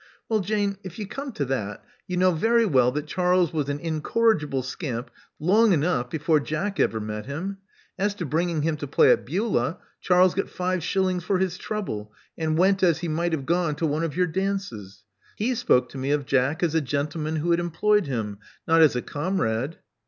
Well, Jane, if you come to that, you know very well that Charles was an incorrigible scamp long enough before Jack ever met him. As to bringing him to play at Beulah, Charles got five shillings for his trouble^ and went as he might have gone to one of your dances. He spoke to me of Jack as a gentleman who had employed him, not as a comrade."